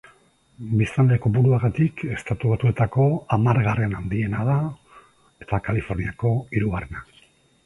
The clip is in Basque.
Biztanle kopuruagatik Estatu Batuetako hamargarren handiena da, eta Kaliforniako hirugarrena.